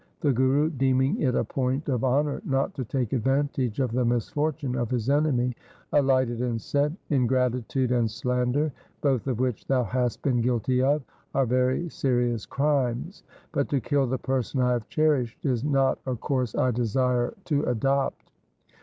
The Guru, deeming it a point of honour not to take advantage of the misfortune of his enemy, alighted and said, ' Ingratitude and slander, both of which thou hast been guilty of, are very serious crimes, but to kill the person I have cherished is not a course I desire to adopt.'